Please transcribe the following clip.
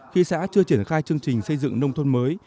khi xã chưa triển khai chương trình xây dựng nông thôn mới